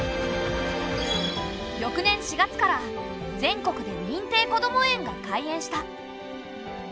翌年４月から全国で認定こども園が開園した。